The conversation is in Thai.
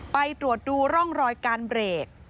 ไปตรวจดูร่องรอยการเบรก